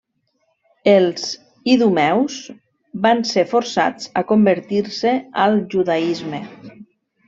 Els idumeus van ser forçats a convertir-se al judaisme.